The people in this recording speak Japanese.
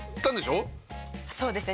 そうですね。